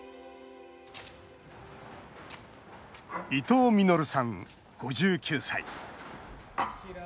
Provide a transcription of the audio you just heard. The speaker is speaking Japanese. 伊藤稔さん、５９歳。